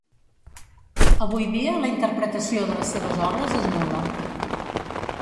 Avui dia la interpretació de les seves obres és nul·la.